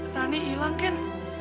rani hilang ken